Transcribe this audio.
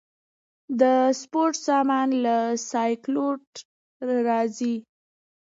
د سپورت سامان له سیالکوټ راځي؟